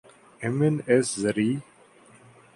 M N S زرعی